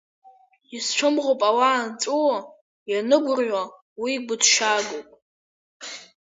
Исцәымӷуп ауаа анҵәуо, ианыгәырҩо, уи гәыҭшьаагоуп…